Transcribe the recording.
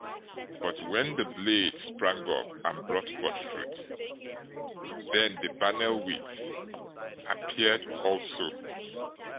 013:026 But when the blade sprang up and brought forth fruit, then the darnel weeds appeared also.